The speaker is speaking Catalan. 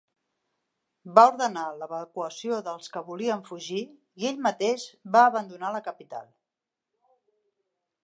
Va ordenar l'evacuació dels que volien fugir i ell mateix va abandonar la capital.